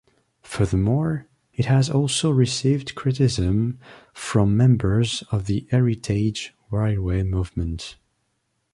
Furthermore, it has also received criticism from members of the heritage railway movement.